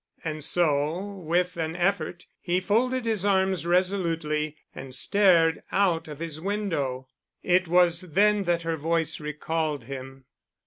And so, with an effort he folded his arms resolutely and stared out of his window. It was then that her voice recalled him.